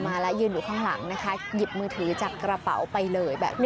ใช่คุณผู้ชายที่อยู่ข้างหลังนะคะยิบมือถือจากกระเป๋าไปเลยแบบนี้